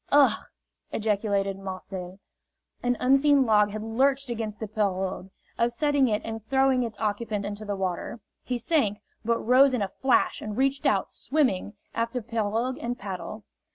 "Ugh!" ejaculated Marcel. An unseen log had lurched against the pirogue, upsetting it and throwing its occupant into the water. He sank, but rose in a flash and reached out, swimming, after pirogue and paddle.